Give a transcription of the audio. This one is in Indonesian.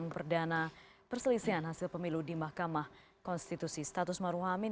terima kasih sudah hadir malam hari ini